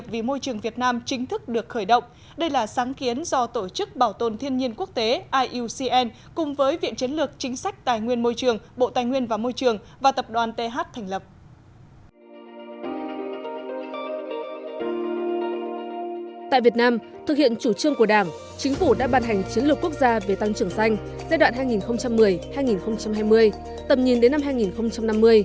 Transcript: tại việt nam thực hiện chủ trương của đảng chính phủ đã ban hành chiến lược quốc gia về tăng trưởng xanh giai đoạn hai nghìn một mươi hai nghìn hai mươi tầm nhìn đến năm hai nghìn năm mươi